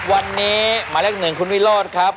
วันนี้หมายเลข๑คุณวิโรธครับ